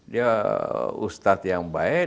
dia ustadz yang baik